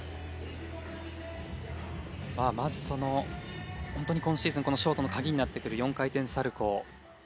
まあまず本当に今シーズンこのショートの鍵になってくる４回転サルコー。